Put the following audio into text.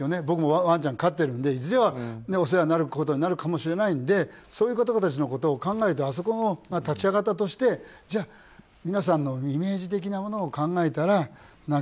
僕もワンちゃんを飼ってるのでいずれはお世話になることになるかもしれないのでそういう方たちのことを考えるとあそこが立ち上がったとして皆さんのイメージ的なものを考えたら。